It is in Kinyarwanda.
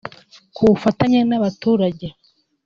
ku bufatanye n’abaturage